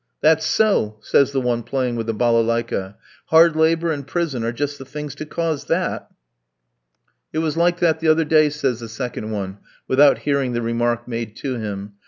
"That's so!" says the one playing with the balalaïka. "Hard labour and prison are just the things to cause that." "It was like that the other day," says the second one, without hearing the remark made to him.